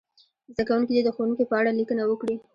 زده کوونکي دې د ښوونکي په اړه لیکنه وکړي.